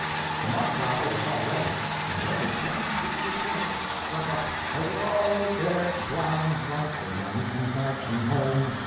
"The mud Jobber was all ready, and when the second speech was finished, struck up: "Oh, we'll all get blind drunk When Johnny comes marching home!